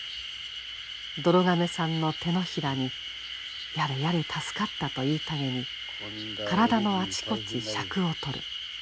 どろ亀さんの手のひらにやれやれ助かったと言いたげに体のあちこち尺を取る。